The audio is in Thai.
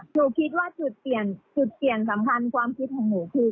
หนูคิดว่าจุดเปลี่ยนสำคัญความคิดของหนูคือ